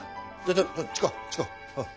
ちょちょ近う近う。